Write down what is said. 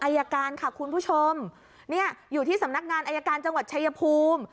อายการค่ะคุณผู้ชมเนี่ยอยู่ที่สำนักงานอายการจังหวัดชายภูมิ